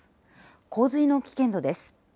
洪水の危険度です。